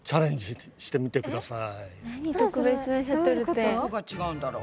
どこが違うんだろう？